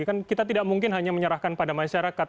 kan kita tidak mungkin hanya menyerahkan pada masyarakat